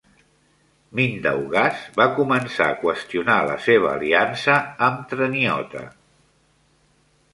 Mindaugas va començar a qüestionar la seva aliança amb Treniota.